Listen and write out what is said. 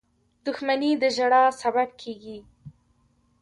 • دښمني د ژړا سبب کېږي.